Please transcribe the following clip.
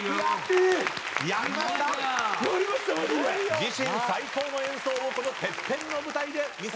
自身最高の演奏をこのＴＥＰＰＥＮの舞台で見せました。